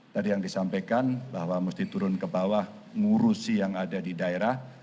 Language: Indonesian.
tadi yang disampaikan bahwa mesti turun ke bawah ngurusi yang ada di daerah